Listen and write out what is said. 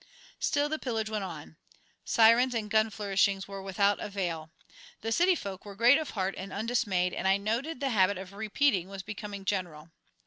Still the pillage went on. Sirens and gun flourishings were without avail. The city folk were great of heart and undismayed, and I noted the habit of "repeating" was becoming general.